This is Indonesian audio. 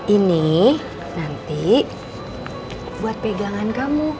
ini nanti buat pegangan kamu